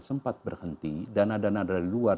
sempat berhenti dana dana dari luar